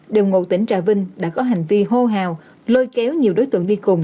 đều ngụ tỉnh trà vinh đã có hành vi hô hào lôi kéo nhiều đối tượng đi cùng